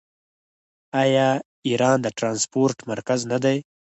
آیا ایران د ټرانسپورټ مرکز نه دی؟